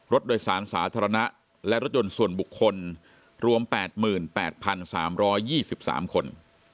รถโดยสารสาธารณะและรถยนต์ส่วนบุคคลรวม๘๘๓๒๓คน